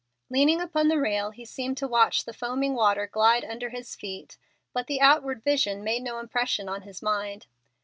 Leaning upon the rail he seemed to watch the foaming water glide under his feet; but the outward vision made no impression on his mind.